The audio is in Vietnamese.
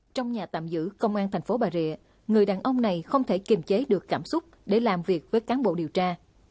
trong nhà tạm giữ công an thành phố bà rịa người đàn ông này không thể kiềm chế được cảm xúc để làm việc với cán bộ điều tra